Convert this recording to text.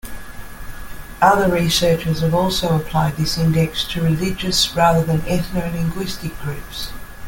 Other researchers have also applied this index to religious rather than ethno-linguistic groups.